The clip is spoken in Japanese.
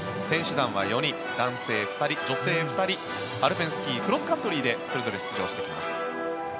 選手団は４人男性２人、女性２人アルペンスキークロスカントリーでそれぞれ出場してきます。